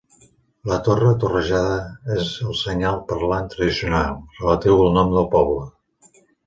La torre torrejada és el senyal parlant tradicional, relatiu al nom del poble.